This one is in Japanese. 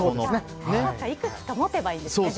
いくつか持てばいいですね。